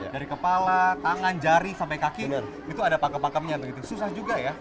dari kepala tangan jari sampai kaki itu ada pakem pakemnya begitu susah juga ya